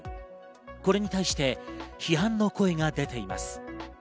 これに対して批判の声が出ています。